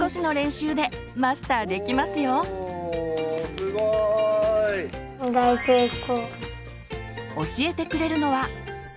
すごい！教えてくれるのは。